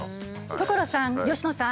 所さん佳乃さん。